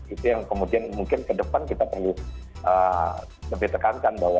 itu yang kemudian mungkin ke depan kita perlu lebih tekankan bahwa